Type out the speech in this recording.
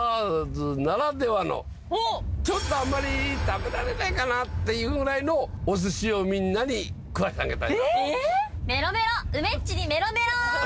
ちょっとあんまり食べられないかなっていうぐらいのお寿司をみんなに食わしてあげたいなと。